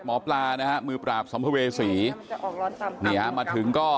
หมอปลานะฮะมือปราบสัมภเวษีนี่ฮะมาถึงก็